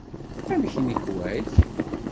Amek nnekwa-k?